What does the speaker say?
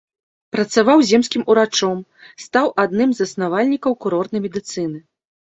Працаваў земскім урачом, стаў адным з заснавальнікаў курортнай медыцыны.